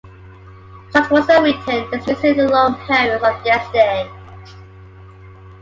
Short works are written, dismissing the long poems of yesterday.